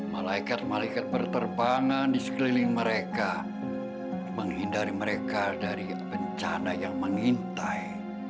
malaikat malaikat berterbangan di sekeliling mereka menghindari mereka dari bencana yang mengintai